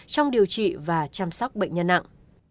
trong điều trị và chăm sóc bệnh nhân nặng